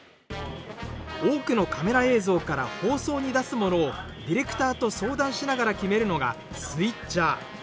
多くのカメラ映像から放送に出すものをディレクターと相談しながら決めるのがスイッチャー。